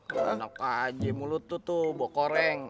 enak aja mulut lo tuh bawa koreng